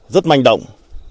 rất manh động